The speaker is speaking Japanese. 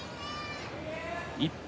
一方、